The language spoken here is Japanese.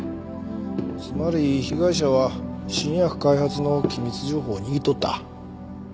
つまり被害者は新薬開発の機密情報を握っとった。